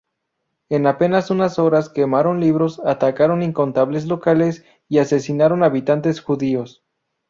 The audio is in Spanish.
En apenas unas horas quemaron libros, atacaron incontables locales y asesinaron habitantes judíos.